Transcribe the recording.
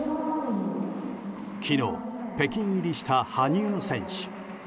昨日、北京入りした羽生選手。